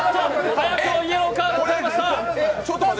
早くもイエローカードが出ました。